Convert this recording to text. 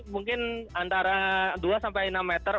mungkin antara dua sampai enam meter